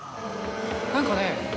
何かね